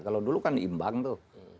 kalau dulu kan diimbang tuh